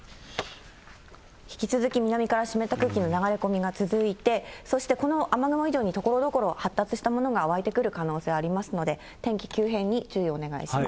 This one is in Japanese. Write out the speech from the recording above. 引き続き南から湿った空気の流れ込みが続いて、そしてこの雨雲以上にところどころ、発達したものが湧いてくる可能性ありますので、天気急変に注意をお願いします。